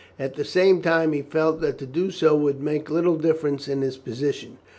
At the same time he felt that to do so would make little difference in his position.